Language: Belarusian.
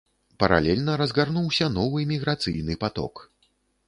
Паралельна разгарнуўся новы міграцыйны паток.